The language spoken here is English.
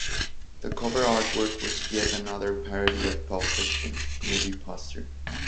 The cover artwork was yet another parody of the "Pulp Fiction" movie poster.